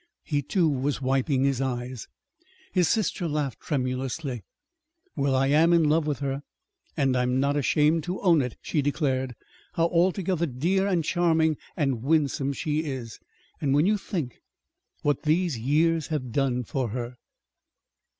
He, too, was wiping his eyes. His sister laughed tremulously. "Well, I am in love with her and I'm not ashamed to own it," she declared. "How altogether dear and charming and winsome she is! And when you think what these years have done for her!"